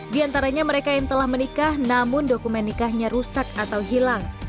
di antaranya mereka yang telah menikah namun dokumen nikahnya rusak atau hilang